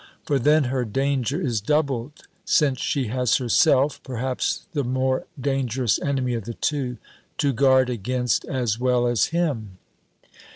For then her danger is doubled, since she has herself (perhaps the more dangerous enemy of the two) to guard against, as well as _him.